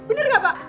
bener gak pak